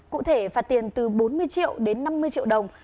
cụ thể phạt tiền từ bốn mươi triệu đến năm mươi triệu đồng